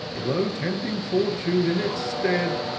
Though tempting Fortune, in its stead.